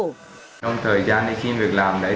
trong thời gian khi việc làm đấy